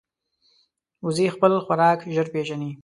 وزې خپل خوراک ژر پېژني